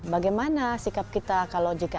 bagaimana sikap kita kalau jika